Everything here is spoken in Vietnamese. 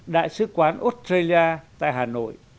đại sứ quán australia tại hà nội